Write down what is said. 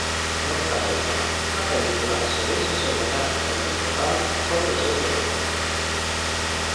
No obstant això, la pel·lícula segueix sense guanyar en el total sobre el seu pressupost.